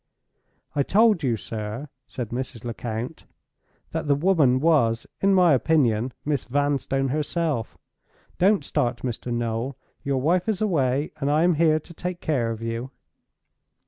"I told you, sir," said Mrs. Lecount, "that the woman was, in my opinion, Miss Vanstone herself. Don't start, Mr. Noel! Your wife is away, and I am here to take care of you.